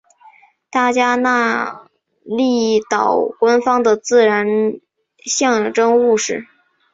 大加那利岛官方的自然象征物是。